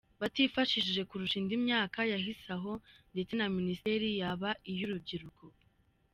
batifashije kurusha indi myaka yahise aho ndetse na Minisiteri yaba iyUrubyiruko.